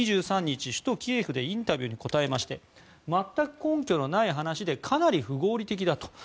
２３日首都キエフでインタビューに答えまして全く根拠のない話でかなり不合理的だと。